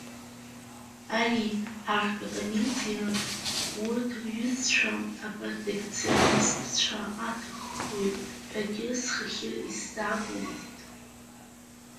Ари артә академиа урҭ рҩызцәа апротекционистцәа аҭаххоит ҳәагьы схахьы исзаагомызт.